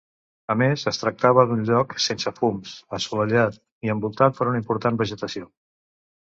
A més es tractava d'un lloc sense fums, assolellat i envoltat per una important vegetació.